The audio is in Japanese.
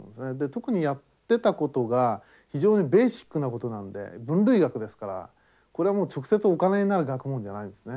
特にやってたことが非常にベーシックなことなんで分類学ですからこれはもう直接お金になる学問じゃないんですね。